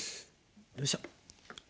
よいしょ。